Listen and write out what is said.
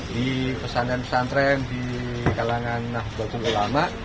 di pesan pesan tren di kalangan nahdlatul ulama